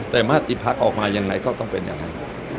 แต่มาติภักษ์ออกมาอย่างไรก็ต้องเป็นอย่างไร